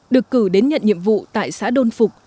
được cử đến nhận nhiệm vụ tại xã đôn phục